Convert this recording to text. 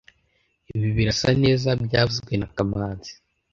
Ibi birasa neza byavuzwe na kamanzi